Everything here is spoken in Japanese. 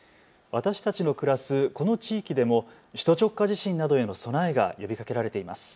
私たちの暮らすこの地域でも首都直下地震などへの備えが呼びかけられています。